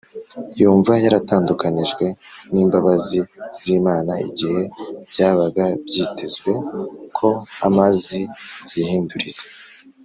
, yumva yaratandukanijwe n’imbabazi z’Imana. Igihe byabaga byitezwe ko amazi yihinduriza,